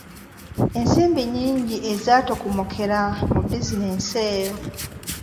Ensimbi nnyingi ezaatokomokera mu bizinensi eyo.